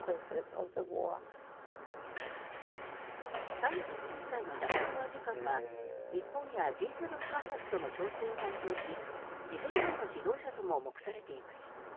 ３９歳のジャパロワ次官は日本やＧ７各国との調整を担当し次世代の指導者とも目されています。